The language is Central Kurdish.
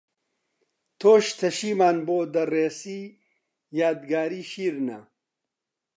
تۆش تەشیمان بۆ دەڕێسی یادگاری شیرنە